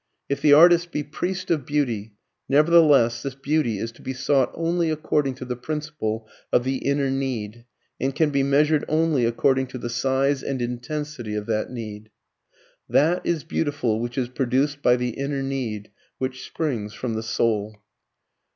If the artist be priest of beauty, nevertheless this beauty is to be sought only according to the principle of the inner need, and can be measured only according to the size and intensity of that need. THAT IS BEAUTIFUL WHICH IS PRODUCED BY THE INNER NEED, WHICH SPRINGS FROM THE SOUL.